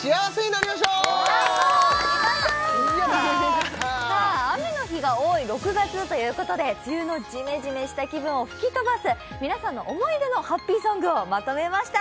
なりましょうやったさあ雨の日が多い６月ということで梅雨のジメジメした気分を吹き飛ばす皆さんの思い出のハッピーソングをまとめました